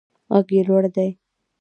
غږ یې لوړ دی.